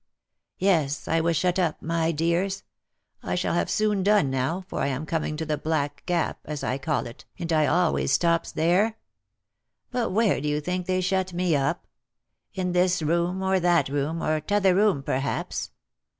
" Yes, I was shut up, my dears — I shall have soon done now, for I am coming to the black gap, as I call it, and I always stops there — but where do you think they shut me up? In this room, or that room, or t'other room, perhaps